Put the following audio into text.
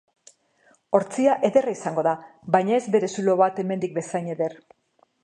Ortzia ederra izango da, baina ez bere zulo bat hemendik bezain eder.